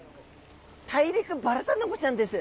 タイリクバラタナゴちゃんです。